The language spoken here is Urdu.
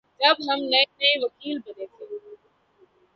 جب ہم نئے نئے وکیل بنے تھے